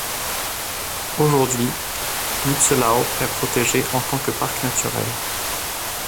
Aujourd'hui, Lützelau est protégé en tant que parc naturel.